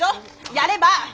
やれば！